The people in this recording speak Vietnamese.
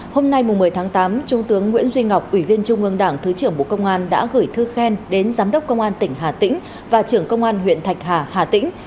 hôm nay một mươi tháng tám trung tướng nguyễn duy ngọc ủy viên trung ương đảng thứ trưởng bộ công an đã gửi thư khen đến giám đốc công an tỉnh hà tĩnh và trưởng công an huyện thạch hà hà tĩnh